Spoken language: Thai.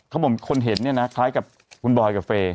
เขาบอกว่าคนเห็นนี่นะคล้ายกับคุณบอยกับเฟย์